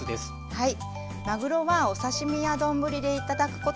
はい。